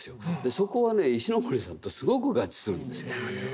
そこはね石森さんとすごく合致するんですよ。